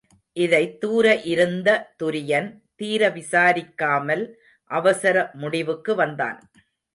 இதைத் தூர இருந்த துரியன் தீர விசாரிக்காமல் அவசர முடிவுக்கு வந்தான்.